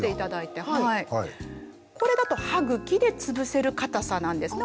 これだと歯茎でつぶせる硬さなんですね。